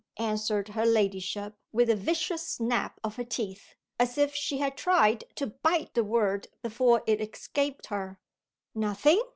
answered her ladyship, with a vicious snap of her teeth, as if she had tried to bite the word before it escaped her. "Nothing!"